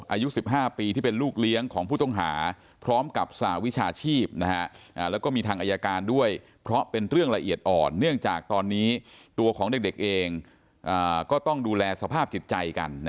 อายุสิบห้าปีที่เป็นลูกเลี้ยงของผู้ต้องหาพร้อมกับสาววิชาชีพนะฮะ